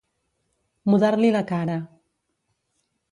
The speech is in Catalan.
Mudar-li la cara.